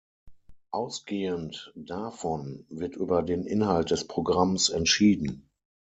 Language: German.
Ausgehend davon wird über den Inhalt des Programms entschieden.